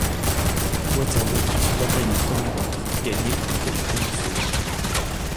Waterloo est une bataille du premier ordre gagnée par un capitaine du second.